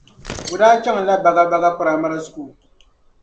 O daa chaŋla Bagabaga primary school.